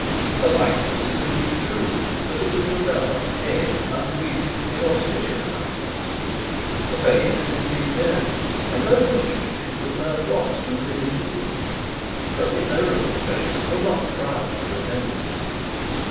The likeness is indeed true; but it is a dull, dead, unfeeling, inauspicious likeness. The face is indeed there, and those looking at it will know at once whose image it is; but the owner of the face will not be proud of the resemblance.